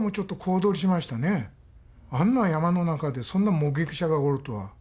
あんな山の中でそんな目撃者がおるとは。